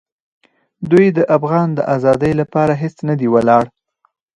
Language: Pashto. دوی د افغان د آزادۍ لپاره هېڅ نه دي ولاړ.